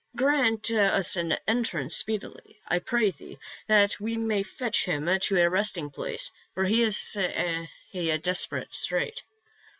Grant us an entrance speedily, I pray thee, that we may fetch him to a resting place, for he is in a desperate strait.'